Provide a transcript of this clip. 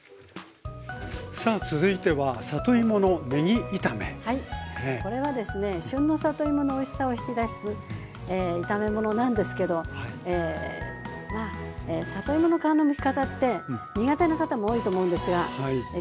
さあ続いてはこれはですね旬の里芋のおいしさを引き出す炒め物なんですけどまあ里芋の皮のむき方って苦手な方も多いと思うんですが今日はですね